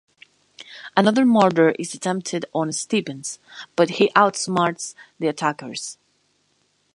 Another murder is attempted on Stevens, but he outsmarts the attackers.